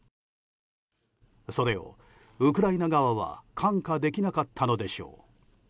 それをウクライナ側は看過できなかったのでしょう。